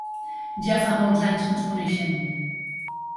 Ja fa molts anys que ens coneixem.